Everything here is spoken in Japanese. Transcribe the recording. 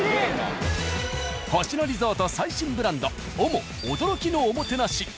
星野リゾート最新ブランドＯＭＯ驚きのおもてなし。